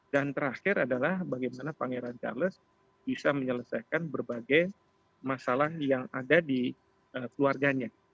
dan terakhir adalah bagaimana pangeran charles bisa menyelesaikan berbagai masalah yang ada di keluarganya